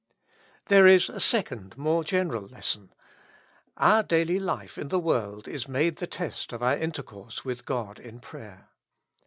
There is a second, more general lesson ; our daily life in the world is made the test of our intercourse with God in prayer.